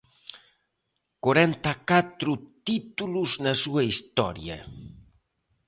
Corenta e catro títulos na súa historia.